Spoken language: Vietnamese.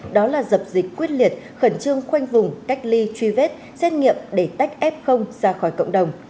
đó là dập dịch quyết liệt khẩn trương khoanh vùng cách ly truy vết xét nghiệm để tách f ra khỏi cộng đồng